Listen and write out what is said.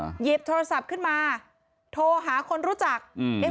หยิบโทรศัพท์ขึ้นมาโทรหาคนรู้จักอืมเอ๊ะ